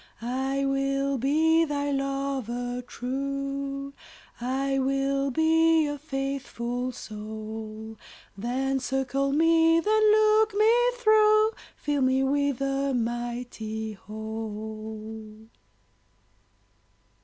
I will be thy lover true, I will be a faithful soul, Then circle me, then look me through, Fill me with the mighty Whole.